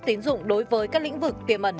tín dụng đối với các lĩnh vực tiềm ẩn